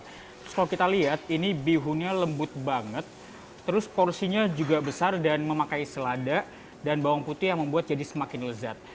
terus kalau kita lihat ini bihunnya lembut banget terus porsinya juga besar dan memakai selada dan bawang putih yang membuat jadi semakin lezat